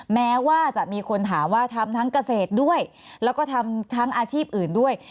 แม้ว่าจะมีคนถามว่าทำทั้งเกษตรด้วยแล้วก็ทำทั้งอาชีพอื่นด้วย